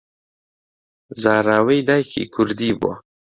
زاراوەی دایکی کوردی بووە